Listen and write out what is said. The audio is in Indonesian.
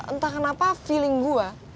entah kenapa feeling gue